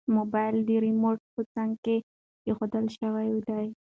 موبایل د ریموټ په څنګ کې ایښودل شوی دی.